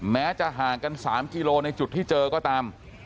แม้จะห่างกัน๓กิโลในจุดที่เจอก็ตาม